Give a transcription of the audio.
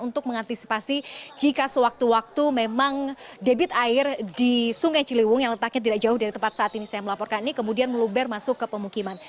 untuk mengantisipasi jika sewaktu waktu memang debit air di sungai ciliwung yang letaknya tidak jauh dari tempat saat ini saya melaporkan ini kemudian meluber masuk ke pemukiman